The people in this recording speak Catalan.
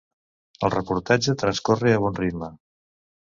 El reportatge transcorre a bon ritme.